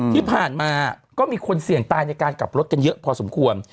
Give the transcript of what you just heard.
ที่ผ่านมาก็มีคนเสี่ยงตายในการกลับรถกันเยอะพอสมควร